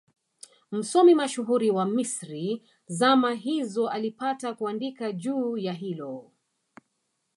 Msomi mashuhuri wa Misri zama hizo alipata kuandika juu ya hilo